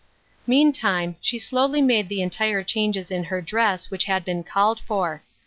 Meantime, she slowly made the entire changes in her dress which had been called for.